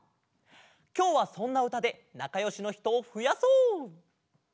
きょうはそんなうたでなかよしのひとをふやそう！